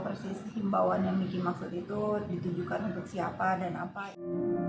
persis himbauan yang miki maksud itu ditujukan untuk siapa dan apa itu